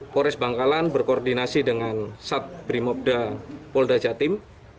polres bangkalan berkoordinasi dengan sat brimobda polda jatim